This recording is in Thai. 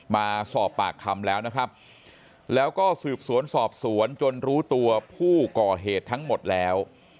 มาสอบปากคำแล้วนะครับแล้วก็สืบสวนสอบสวนจนรู้ตัวผู้ก่อเหตุทั้งหมดแล้ว